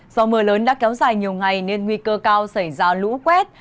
do mưa lớn đã kéo dài nhiều ngày nên nguy cơ cao xảy ra lũ quét